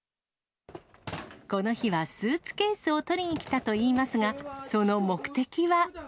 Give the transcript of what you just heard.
この日は、スーツケースを取りに来たといいますが、その目的は。